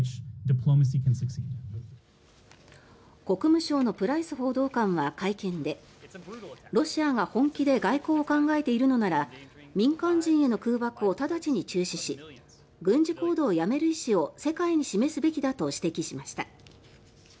国務省のプライス報道官は会見でロシアが本気で外交を考えているのなら民間人への空爆を直ちに中止し軍事行動をやめる意思を世界に示すべきだと指摘しました。